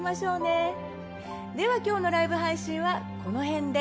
では今日のライブ配信はこの辺で。